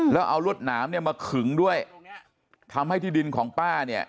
แล้วเอารวดหนามเนี่ยมาขึงด้วยทำให้ที่ดินของป้าเนี่ย